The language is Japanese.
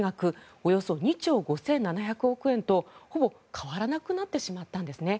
およそ２兆５７００億円とほぼ変わらなくなってしまったんです。